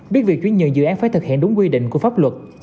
biết việc chuyển nhận dự án phải thực hiện đúng quy định của pháp luật